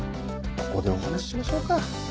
ここでお話ししましょうか。